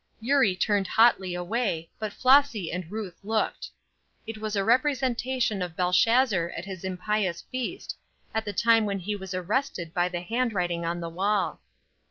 Eurie turned hotly away, but Flossy and Ruth looked. It was a representation of Belshazzar at his impious feast, at the time when he was arrested by the handwriting on the wall.